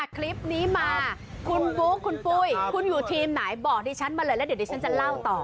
คลิปนี้มาคุณบุ๊คคุณปุ้ยคุณอยู่ทีมไหนบอกดิฉันมาเลยแล้วเดี๋ยวดิฉันจะเล่าต่อ